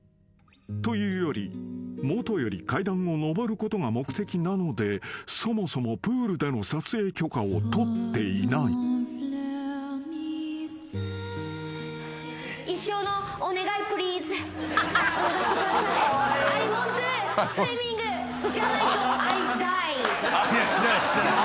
というよりもとより階段を上ることが目的なのでそもそもプールでの撮影許可を取っていない］じゃないと。